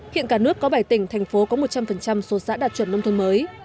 hiện cả nước có bảy tỉnh thành phố có một trăm linh số xã đạt chuẩn nông thôn mới